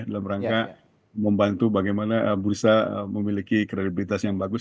dalam rangka membantu bagaimana bursa memiliki kredibilitas yang bagus